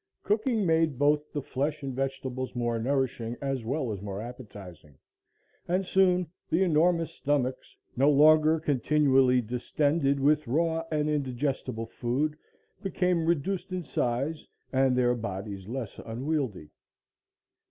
Cooking made both the flesh and vegetables more nourishing as well as more appetizing, and soon the enormous stomachs, no longer continually distended with raw and indigestible food, became reduced in size and their bodies less unwieldy.